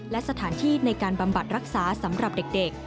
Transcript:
และสถานที่ในการบำบัดรักษาสำหรับเด็ก